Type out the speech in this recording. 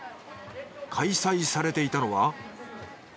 開催されていたのは。